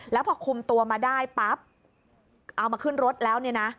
แล้วพอคุมตัวมาได้ปั๊บเอามาขึ้นรถแล้วเนี่ยนะ